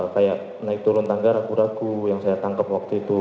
kayak naik turun tangga ragu ragu yang saya tangkap waktu itu